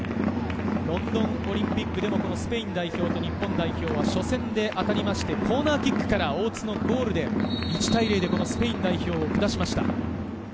ロンドンオリンピックでもスペイン代表と日本代表は初戦で当たってコーナーキックから大津のゴールで１対０でスペイン代表を下しました。